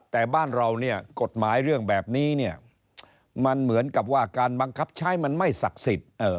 แต่บ้านเราเนี่ยกฎหมายเรื่องแบบนี้เนี่ยมันเหมือนกับว่าการบังคับใช้มันไม่ศักดิ์สิทธิ์